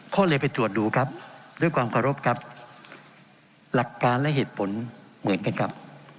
ก็เลยไปตรวจดูครับด้วยความเคารพครับหลักการและเหตุผลเหมือนกันครับ